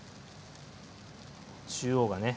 中央がね